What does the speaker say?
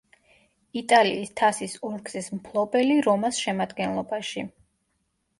იტალიის თასის ორგზის მფლობელი „რომას“ შემადგენლობაში.